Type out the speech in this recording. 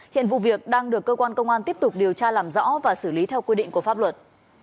hiện vụ việc đang được cơ quan công an tiếp tục điều tra làm rõ và xử lý theo quy định của pháp luật